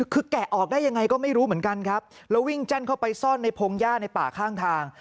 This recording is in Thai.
คือแกะออกได้ยังไงก็ไม่รู้เหมือนกันครับแล้ววิ่งแจ้นเข้าไปซ่อนในพงหญ้าในป่าข้างทาง